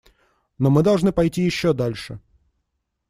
Но мы должны пойти еще дальше.